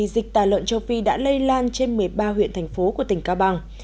dịch tà lợn châu phi đã lây lan trên một mươi ba huyện thành phố của tỉnh cao bằng